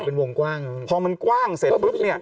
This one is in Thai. พอมันกว้างเสร็จปุ๊บเนี่ย